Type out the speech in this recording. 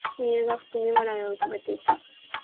親友が含み笑いを浮かべていた